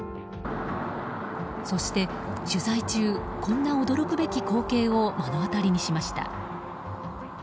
そして取材中こんな驚くべき光景を目の当たりにしました。